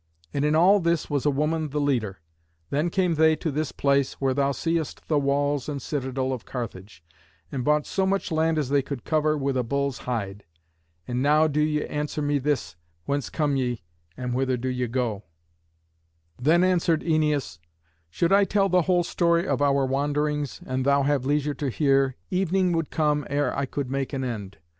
And in all this was a woman the leader. Then came they to this place, where thou seest the walls and citadel of Carthage, and bought so much land as they could cover with a bull's hide. And now do ye answer me this, Whence come ye, and whither do ye go?" Then answered Æneas, "Should I tell the whole story of our wanderings, and thou have leisure to hear, evening would come ere I could make an end.